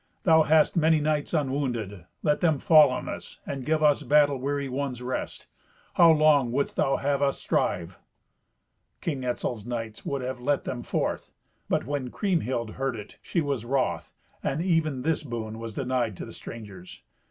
Thou hast many knights unwounded; let them fall on us, and give us battle weary ones rest. How long wouldst thou have us strive?" King Etzel's knights would have let them forth, but when Kriemhild heard it, she was wroth, and even this boon was denied to the strangers.